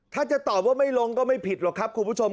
ถ้าจะตอบว่าไม่ลงก็ไม่ผิดหรอกครับคุณผู้ชม